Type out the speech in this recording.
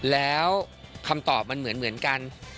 แล้วคำตอบมันเหมือนกัน